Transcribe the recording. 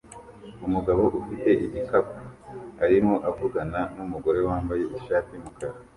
Umugabo ufite igikapu arimo avugana numugore wambaye ishati yumukara